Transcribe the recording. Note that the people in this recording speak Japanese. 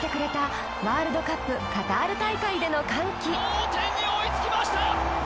昨年同点に追いつきました